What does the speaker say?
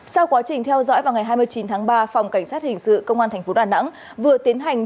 sau quá trình theo dõi vào ngày hai mươi chín tháng ba phòng cảnh sát hình sự công an tp đà nẵng vừa tiến hành